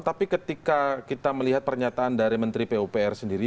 tapi ketika kita melihat pernyataan dari menteri pupr sendiri